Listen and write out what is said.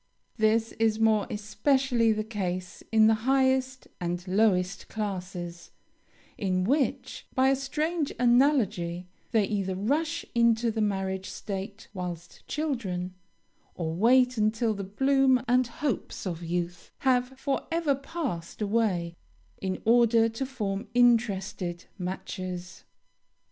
This is more especially the case in the highest and lowest classes, in which, by a strange analogy, they either rush into the marriage state whilst children, or wait until the bloom and hopes of youth have forever passed away, in order to form interested matches.